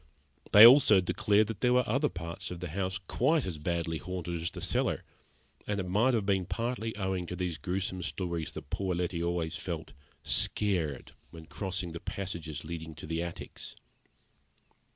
They also declared that there were other parts of the house quite as badly haunted as the cellar, and it might have been partly owing to these gruesome stories that poor Letty always felt scared, when crossing the passages leading to the attics.